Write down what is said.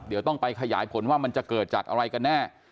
เดี๋ยวต้องไปขยายผลว่ามันจะเกิดจากอะไรกันแน่